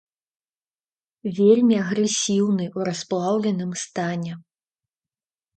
Вельмі агрэсіўны ў расплаўленым стане.